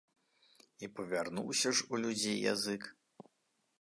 І павярнуўся ж у людзей язык!